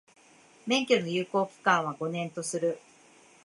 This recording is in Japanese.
免許の有効期間は、五年とする。